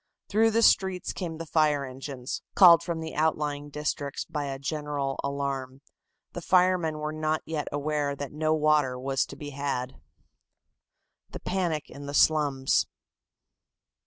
Through the streets came the fire engines, called from the outlying districts by a general alarm. The firemen were not aware as yet that no water was to be had. THE PANIC IN THE SLUMS.